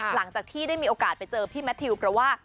หลังจากที่ได้มีโอกาสไปเจอพี่แมททิวเพราะว่า